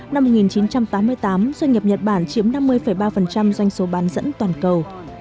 năm một nghìn chín trăm tám mươi tám doanh nghiệp nhật bản chiếm năm mươi ba doanh số bán dẫn toàn cầu